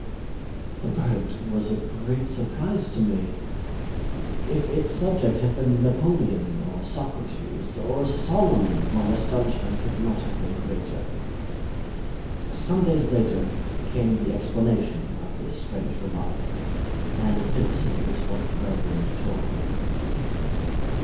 This verdict was a great surprise to me. If its subject had been Napoleon, or Socrates, or Solomon, my astonishment could not have been greater. Some days later came the explanation of this strange remark, and this is what the Reverend told me.